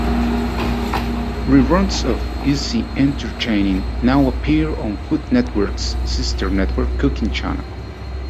Reruns of "Easy Entertaining" now appear on Food Network's sister network Cooking Channel.